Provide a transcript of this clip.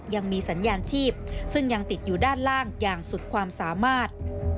ยังมีสัญญาณชีพซึ่งยังติดอยู่ด้านล่างอย่างสุดความสามารถ